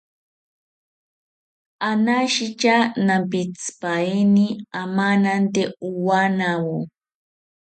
Anashitya nampitzipaini amanante owanawo